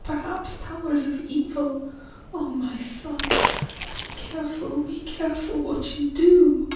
— perhaps powers of evil! Oh, my son! be careful, be careful what you do!"